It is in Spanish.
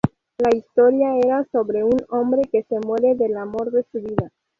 La historia era sobre un hombre que se muere del amor de su vida.